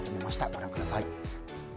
ご覧ください。